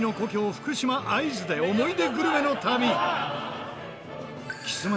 福島会津で思い出グルメの旅